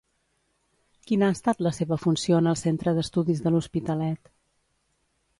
Quina ha estat la seva funció en el Centre d'Estudis de l'Hospitalet?